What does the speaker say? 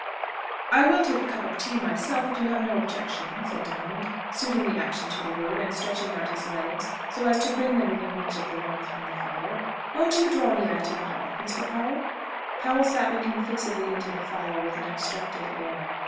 "I will take a cup of tea myself, if you have no objection," said Diamond, suiting the action to the word, and stretching out his legs, so as to bring them within reach of the warmth from the fire. "Won't you draw nearer to the hearth, Mr. Powell?" Powell sat looking fixedly into the fire with an abstracted air.